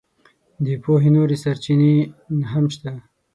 د پوهې نورې سرچینې هم شته.